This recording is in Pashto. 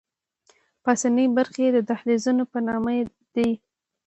پاسنۍ برخې یې د دهلیزونو په نامه دي.